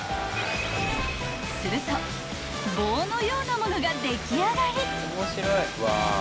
［すると棒のようなものが出来上がり］